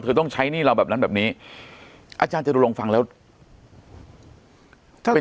เธอต้องใช้หนี้เราแบบนั้นแบบนี้อาจารย์เธอดูลงฟังแล้วเป็นยังไง